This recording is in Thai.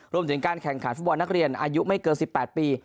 รวมถึงการแข่งขันฟุตบอลนักเรียนอายุไม่เกิน๑๘ปี